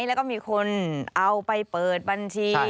แล้วก็มีคนเอาไปเปิดบัญชี